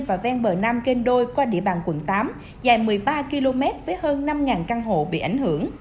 và ven bờ nam kênh đôi qua địa bàn quận tám dài một mươi ba km với hơn năm căn hộ bị ảnh hưởng